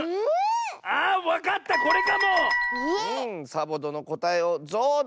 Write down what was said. サボどのこたえをぞうど！